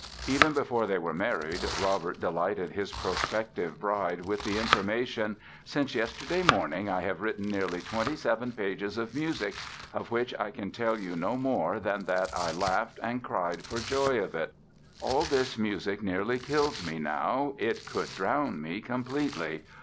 Even before they were married Robert delighted his prospective bride with the information: "Since yesterday morning I have written nearly 27 pages of music, of which I can tell you no more than that I laughed and cried for joy of it.... All this music nearly kills me now, it could drown me completely.